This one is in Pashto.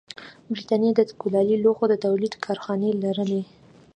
برېټانیا د کولالي لوښو د تولید کارخانې لرلې.